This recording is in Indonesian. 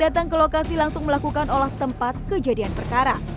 datang ke lokasi langsung melakukan olah tempat kejadian perkara